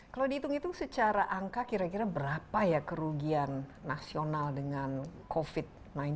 kalau dihitung hitung secara angka kira kira berapa ya kerugian nasional dengan covid sembilan belas